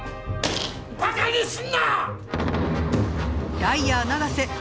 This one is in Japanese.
バカにすんな！